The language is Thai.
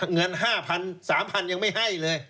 เงิน๕๐๐๓๐๐ยังไม่ให้เลย